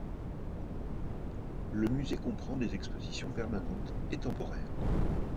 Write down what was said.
Le musée comprend des expositions permanentes et temporaires.